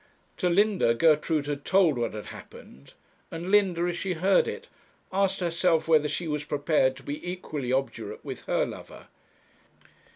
To Linda, Gertrude had told what had happened; and Linda, as she heard it, asked herself whether she was prepared to be equally obdurate with her lover.